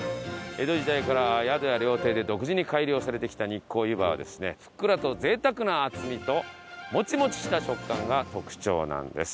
江戸時代から宿や料亭で独自に改良されてきた日光湯波はですねふっくらと贅沢な厚みとモチモチした食感が特徴なんです。